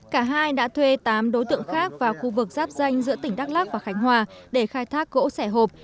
cả hai đã thuê tám đối tượng khác vào khu vực giáp danh giữa tỉnh đắk lắc và khánh hòa để khai thác gỗ sẻ hộp